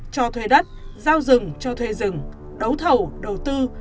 cho thuê đất giao rừng cho thuê rừng đấu thầu đầu tư